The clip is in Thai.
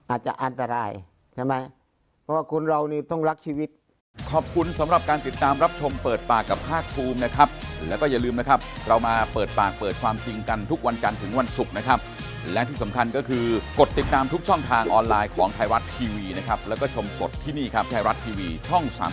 อาจจะอันตรายใช่ไหมเพราะว่าคนเรานี่ต้องรักชีวิต